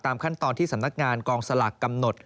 ขั้นตอนที่สำนักงานกองสลากกำหนด